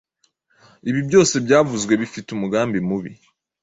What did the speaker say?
Ibi byose byavuzwe bafite umugambi mubi